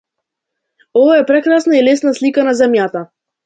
Ова не е прекрасна и лесна слика на земјата.